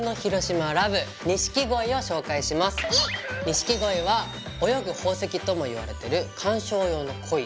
錦鯉は「泳ぐ宝石」ともいわれてる観賞用の鯉。